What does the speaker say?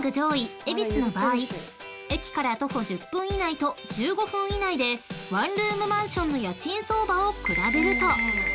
［駅から徒歩１０分以内と１５分以内でワンルームマンションの家賃相場を比べると］